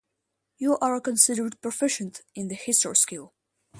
you are considered proficient in the History skill.